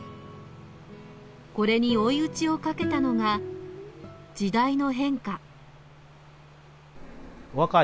これに追い打ちをかけたのが必ずね。